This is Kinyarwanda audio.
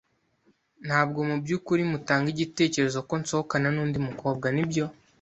Ntabwo mu byukuri mutanga igitekerezo ko nsohokana nundi mukobwa, nibyo?